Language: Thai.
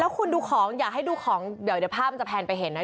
คุณดูของอยากให้ดูของเดี๋ยวภาพมันจะแพนไปเห็นนะ